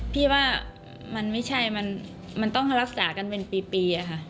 พี่ว่ามันไม่ใช่มันต้องรักษากันเป็นปีอะค่ะ